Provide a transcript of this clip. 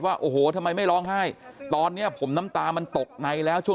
ว่าโอ้โหทำไมไม่ร้องไห้ตอนนี้ผมน้ำตามันตกในแล้วช่วง